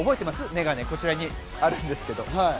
眼鏡、こちらにあるんですけど。